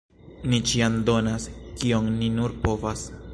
Ni ĉiam donas, kiom ni nur povas.